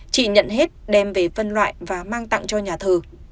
chị nhận hết đem về phân loại và mang tặng cho nhà thờ